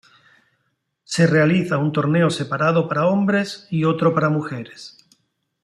Se realiza un torneo separado para hombres y otro para mujeres.